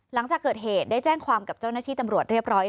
หลังจากเกิดเหตุได้แจ้งความกับเจ้านาคติธรรมรวชเรียบร้อยแล้ว